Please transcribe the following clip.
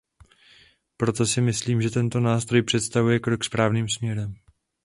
Proto si myslím, že tento nástroj představuje krok správným směrem.